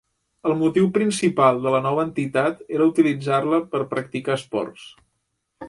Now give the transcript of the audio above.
El motiu principal de la nova entitat era utilitzar-la per a practicar esports.